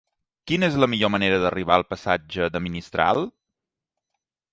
Quina és la millor manera d'arribar al passatge de Ministral?